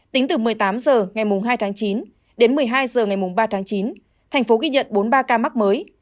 tính từ một mươi tám h ngày hai chín đến một mươi hai h ngày ba chín tp hcm ghi nhận bốn mươi ba ca mắc mới